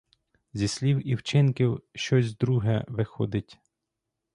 Зі слів і вчинків щось друге виходить.